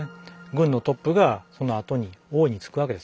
軍のトップがそのあとに王に就くわけです。